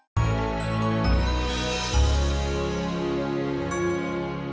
kayanya ke temen